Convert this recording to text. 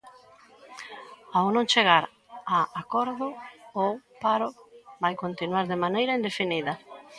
Ao non chegar a acordo, o paro vai continuar de maneira indefinida.